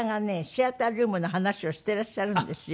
シアタールームの話をしていらっしゃるんですよ。